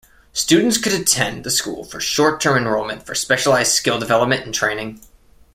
Students could attend the school for short-term enrollment for specialized skill development and training.